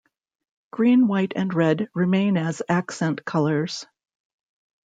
Green, white and red remain as accent colors.